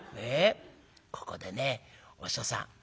「ここでねお師匠さん